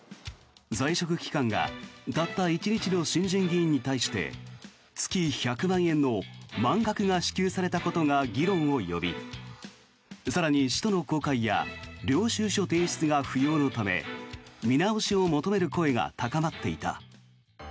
在職期間がたった１日の新人議員に対して月１００万円の満額が支給されたことが議論を呼び更に使途の公開や領収書提出が不要なため見直しを求める声が高まっていた。